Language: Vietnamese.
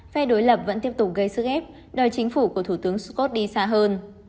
phe đối lập vẫn tiếp tục gây sức ép đòi chính phủ của thủ tướng scott đi xa hơn